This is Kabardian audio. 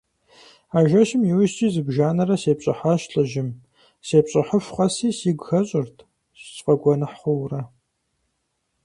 А жэщым и ужькӀи зыбжанэрэ сепщӀыхьащ лӀыжьым, сепщӀыхьыху къэси сигу хэщӀырт, сфӀэгуэныхь хъуурэ.